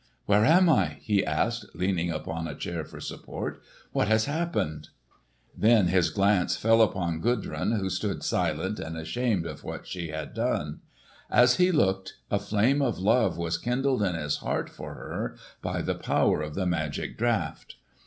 "Where am I?" he asked, leaning upon a chair for support. "What has happened?" Then his glance fell upon Gudrun who stood silent and ashamed of what she had done. As he looked, a flame of love was kindled in his heart for her, by the power of the magic draught.